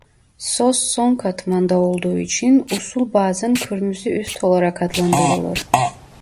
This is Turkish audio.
Sos son katmanda olduğu için usul bazen "kırmızı üst" olarak adlandırılır.